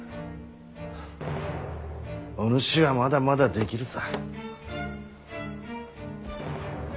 はあお主はまだまだできるさ。